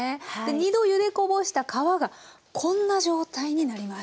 ２度ゆでこぼした皮がこんな状態になります。